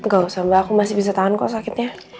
gak usah mbak aku masih bisa tahan kok sakitnya